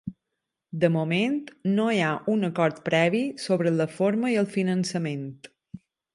De moment, no hi ha un acord previ sobre la forma i el finançament.